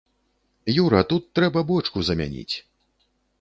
Юра, тут трэба бочку замяніць!